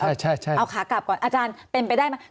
เอาขากลับก่อนอาจารย์เป็นไปได้ไหม